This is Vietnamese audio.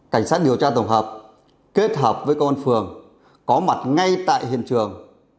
cảnh sát điều tra tổng hợp kết hợp với công an phường có mặt ngay tại hiện trường